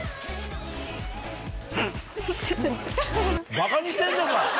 ばかにしてんのか！